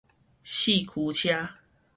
四驅車